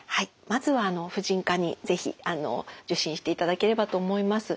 まずは婦人科に是非受診していただければと思います。